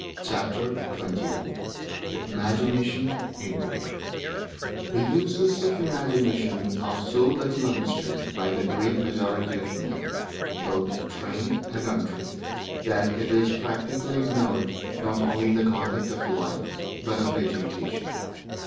Chapter XXI The Imagination in Work The uses of the imagination are so little understood by the great majority of men, both trained and untrained, that it is practically ignored not only in the conduct of life, but of education.